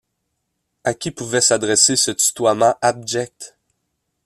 À qui pouvait s’adresser ce tutoiement abject?